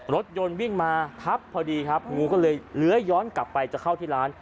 รถยนต์วิ่งมาทับพอดีครับงูก็เลยเลื้อยย้อนกลับไปจะเข้าที่ร้าน